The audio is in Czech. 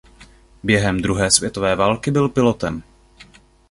Během druhé světové války byl pilotem.